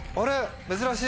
珍しい。